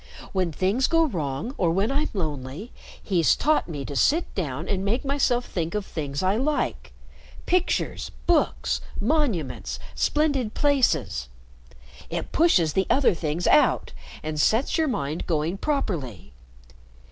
When things go wrong or when I'm lonely, he's taught me to sit down and make myself think of things I like pictures, books, monuments, splendid places. It pushes the other things out and sets your mind going properly.